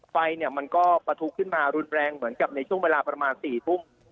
ไฟมันก็ประทุขึ้นมารุนแรงเหมือนกับในช่วงเวลาประมาณ๔ทุ่ม